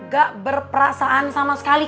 gak berperasaan sama sekali